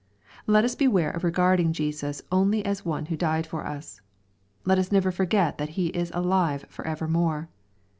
Let us beware of regarding Jesus only as one who died for us. Let us never forget that He is alive for evermore.